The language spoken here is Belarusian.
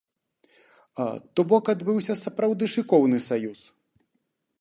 То бок адбыўся сапраўды шыкоўны саюз.